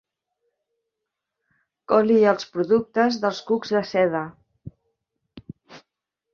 Coli els productes dels cucs de seda.